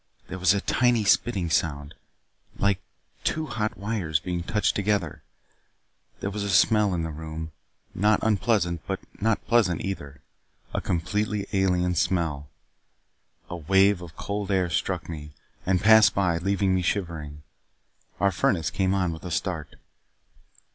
There was a tiny spitting sound, like two hot wires being touched together. There was a smell in the room, not unpleasant but not pleasant either a completely alien smell. A wave of cold air struck me, and passed by, leaving me shivering. Our furnace came on with a start.